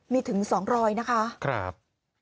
มีถึง๒๐๐นะคะครับครับ